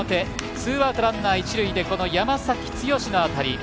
ツーアウトランナー、一塁で山崎剛の当たり。